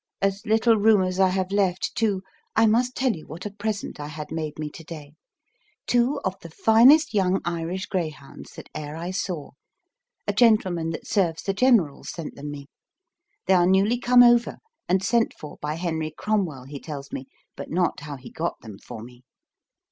As little room as I have left, too, I must tell you what a present I had made me to day. Two of the finest young Irish greyhounds that e'er I saw; a gentleman that serves the General sent them me. They are newly come over, and sent for by Henry Cromwell, he tells me, but not how he got them for me.